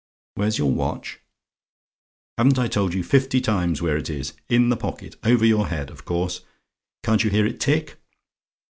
"WHERE'S YOUR WATCH? "Haven't I told you fifty times where it is? In the pocket over your head of course. Can't you hear it tick?